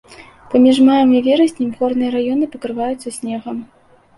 Паміж маем і вераснем горныя раёны пакрываюцца снегам.